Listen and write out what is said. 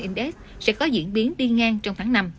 index sẽ có diễn biến đi ngang trong tháng năm